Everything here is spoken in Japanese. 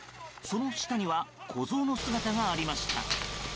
その下には子ゾウの姿がありました。